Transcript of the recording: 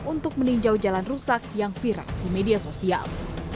untuk meninjau jalan rusak yang viral di media sosial